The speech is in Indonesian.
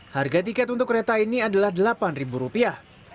harga tiket untuk kereta ini adalah delapan ribu rupiah